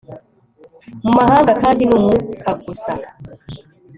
mu mahanga k ni umwuka gusa